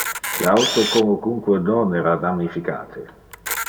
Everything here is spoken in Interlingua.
Le auto comocunque non era damnificate.